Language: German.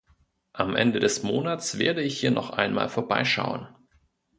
Am Ende des Monats werde ich hier noch einmal vorbeischauen.